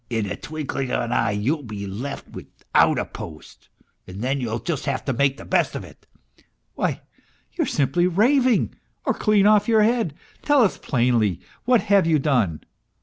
..."" In a twinkling of an eye you'll be left without a post, then you'll just have to make the best of it." " Why, you are simply raving, or clean off your head ! Tell us plainly, what have you done